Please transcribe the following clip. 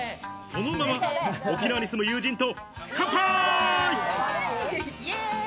そのまま沖縄に住む友人と乾杯！